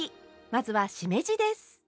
まずはしめじです。